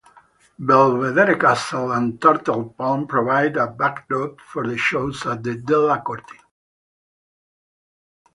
Belvedere Castle and Turtle Pond provide a backdrop for the shows at the Delacorte.